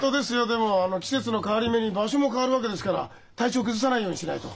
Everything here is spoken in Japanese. でも季節の変わり目に場所も変わるわけですから体調崩さないようにしないと。